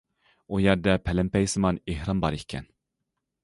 ئۇ يەردە پەلەمپەيسىمان ئېھرام بار ئىكەن.